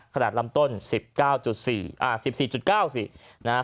ขนาดลำต้น๑๔๙เซนติเมตร